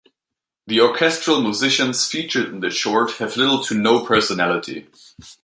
The orchestral musicians featured in the short have little to no personality.